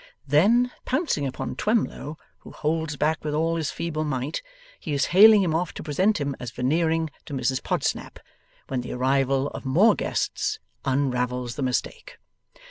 Then pouncing upon Twemlow, who holds back with all his feeble might, he is haling him off to present him, as Veneering, to Mrs Podsnap, when the arrival of more guests unravels the mistake.